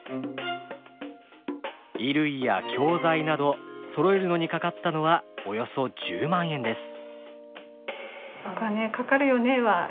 衣類や教材などそろえるのにかかったのはおよそ１０万円です。